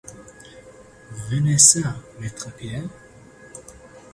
Venez çà, maître Pierre.